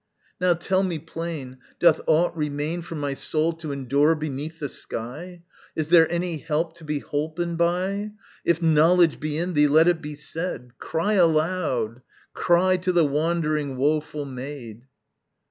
Now tell me plain, doth aught remain For my soul to endure beneath the sky? Is there any help to be holpen by? If knowledge be in thee, let it be said! Cry aloud cry To the wandering, woful maid!